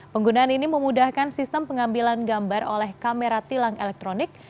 penggunaan ini memudahkan sistem pengambilan gambar oleh kamera tilang elektronik